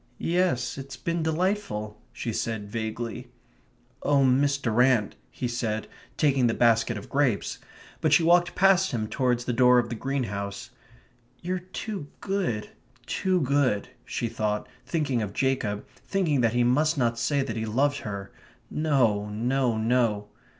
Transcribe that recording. "Yes, it's been delightful," she said vaguely. "Oh, Miss Durrant," he said, taking the basket of grapes; but she walked past him towards the door of the greenhouse. "You're too good too good," she thought, thinking of Jacob, thinking that he must not say that he loved her. No, no, no.